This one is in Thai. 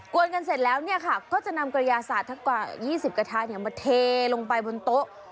วนกันเสร็จแล้วเนี่ยค่ะก็จะนำกระยาศาสตร์ทั้งกว่า๒๐กระทะมาเทลงไปบนโต๊ะ